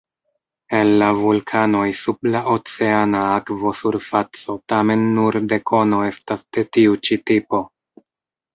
El la vulkanoj sub la oceana akvosurfaco tamen nur dekono estas de tiu-ĉi tipo.